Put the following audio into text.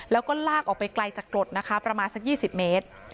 แล้วก็ลากออกไปไกลจากกรดนะคะประมาณสัก๒๐เมตร